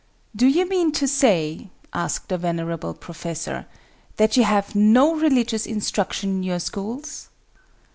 "Do you mean to say," asked the venerable professor, "that you have no religious instruction in your schools?"